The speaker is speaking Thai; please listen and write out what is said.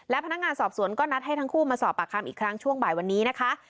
พนักงานสอบสวนก็นัดให้ทั้งคู่มาสอบปากคำอีกครั้งช่วงบ่ายวันนี้นะคะ